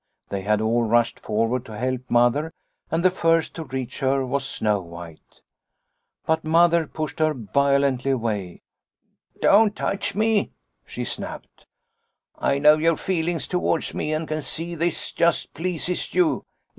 They had all rushed forward to help Mother, and the first to reach her was Snow White. But Mother pushed her violently away. * Don't 70 Liliecrona's Home touch me,' she snapped. ' I know your feelings towards me, and can see this just pleases you.